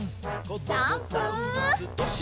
ジャンプ！